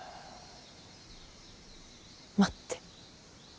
待って。